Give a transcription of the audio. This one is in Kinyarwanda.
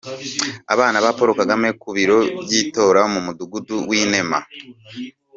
Abana ba Paul Kagame ku biro by'itora mu mudugudu w'Imena.